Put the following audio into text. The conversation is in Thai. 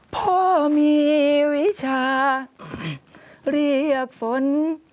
พ่อมีวิชาเรียกฝน